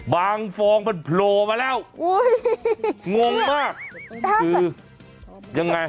บางฟองมันโผล่อมาแล้วงงมากคือยังไง